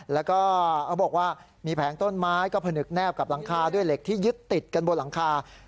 แล้วก็เขาบอกว่ามีแผงต้นไม้ก็ผนึกแนบกับหลังคาด้วยเหล็กที่ยึดติดกันบนหลังคา